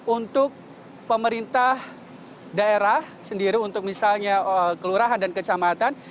untuk pemerintah daerah sendiri untuk misalnya kelurahan dan kecamatan